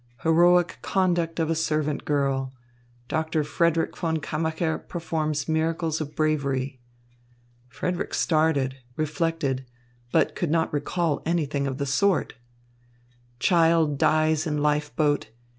Heroic conduct of a servant girl. Doctor Frederick von Kammacher performs miracles of bravery." Frederick started, reflected, but could not recall anything of the sort. "Child dies in life boat.